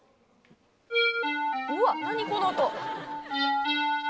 うわ何この音。